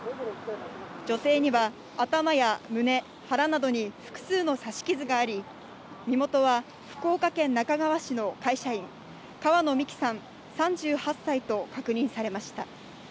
女性には頭や胸、腹などに複数の刺し傷があり、身元は福岡県那珂川市の会社員、川野美樹さん、３８歳と確認されました。